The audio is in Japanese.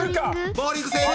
ボウリング正解！